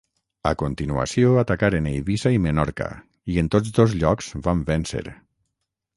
A continuació atacaren Eivissa i Menorca i, en tots dos llocs van vèncer.